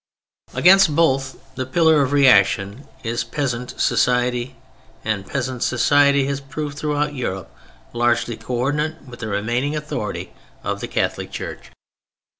Against both, the pillar of reaction is peasant society, and peasant society has proved throughout Europe largely coördinate with the remaining authority of the Catholic Church.